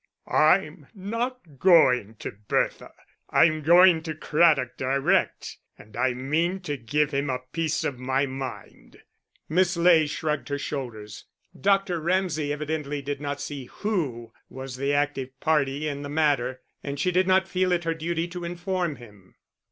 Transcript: "I'm not going to Bertha; I'm going to Craddock direct, and I mean to give him a piece of my mind." Miss Ley shrugged her shoulders. Dr. Ramsay evidently did not see who was the active party in the matter, and she did not feel it her duty to inform him.